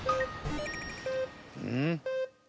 うん？